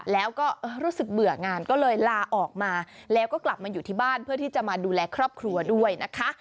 แล้วก็รู้สึกเบื่องานก็เลยลาออกมาแล้วก็กลับมาอยู่ที่บ้านเพื่อที่จะมาดูแลครอบครัวด้วยนะคะ